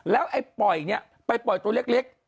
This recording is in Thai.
แล้วไอ้ปล่อยเนี่ยไปปล่อยตัวเล็ก